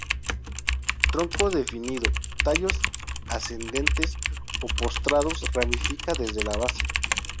Tronco definido, tallos ascendentes o postrados, ramifica desde la base.